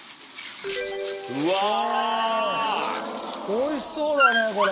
美味しそうだねこれ。